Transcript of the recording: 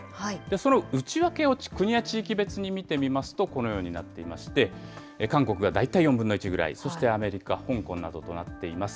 その内訳を国や地域別に見てみますと、このようになっていまして、韓国が大体４分の１ぐらい、そしてアメリカ、香港などとなっています。